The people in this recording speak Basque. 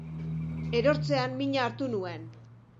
Erortzean mina hartu nuen